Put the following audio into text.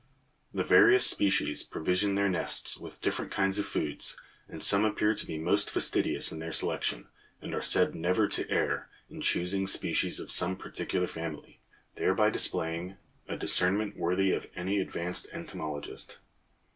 The various species provision their nests with different kinds of foods, and some appear to be most fastidious in their selection, and are said never to err in choosing species of some particular family, thereby displaying a discernment worthy of any advanced entomologist.